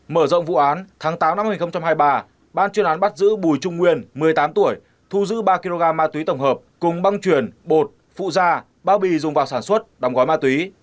mở rộng vụ án tháng tám năm hai nghìn hai mươi ba ban chuyên án bắt giữ bùi trung nguyên một mươi tám tuổi thu giữ ba kg ma túy tổng hợp cùng băng chuyển bột phụ da bao bì dùng vào sản xuất đóng gói ma túy